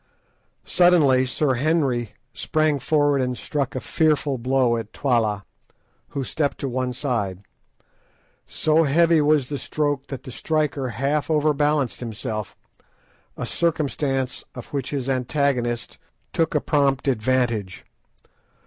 Suddenly Sir Henry sprang forward and struck a fearful blow at Twala, who stepped to one side. So heavy was the stroke that the striker half overbalanced himself, a circumstance of which his antagonist took a prompt advantage.